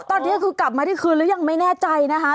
ตอนนี้คือกลับมาที่คืนหรือยังไม่แน่ใจนะคะ